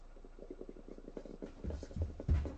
V celostátním seznamu kulturních památek uvedena není.